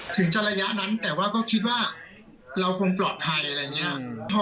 ถึงจะระยะนั้นแต่ว่าก็คิดว่าเราคงปลอดภัยอะไรอย่างนี้